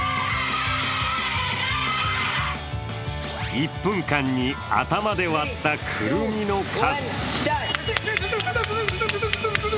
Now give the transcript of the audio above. １分間に頭で割ったクルミの数。